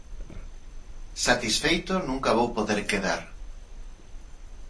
Satisfeito nunca vou poder quedar.